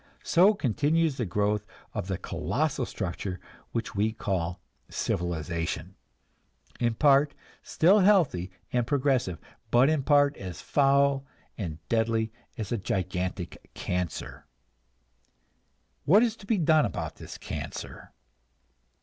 So continues the growth of the colossal structure which we call civilization in part still healthy and progressive, but in part as foul and deadly as a gigantic cancer. What is to be done about this cancer?